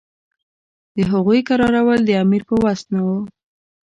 د هغوی کرارول د امیر په وس نه وو.